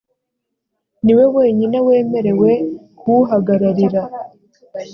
niwe wenyine wemerewe kuwuhagararira